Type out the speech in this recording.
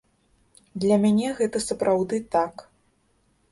Для мяне гэта сапраўды так.